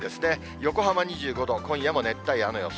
横浜２５度、今夜も熱帯夜の予想。